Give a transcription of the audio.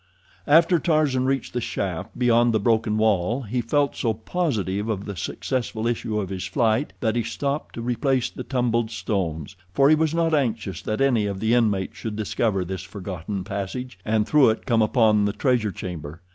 After Tarzan reached the shaft beyond the broken wall, he felt so positive of the successful issue of his flight that he stopped to replace the tumbled stones, for he was not anxious that any of the inmates should discover this forgotten passage, and through it come upon the treasure chamber.